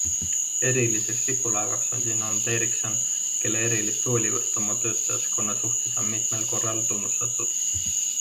Eriliseks lipulaevaks on siin olnud Ericsson, kelle erilist hoolivust oma töötajaskonna suhtes on mitmel korral tunnustatud.